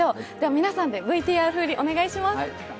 皆さんでＶＴＲ振り、お願いします。